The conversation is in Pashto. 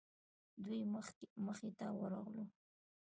دوی مخې ته ورغلو.